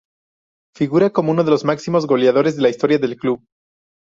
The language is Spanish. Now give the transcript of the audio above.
Figura como uno de los máximos goleadores de la historia del club.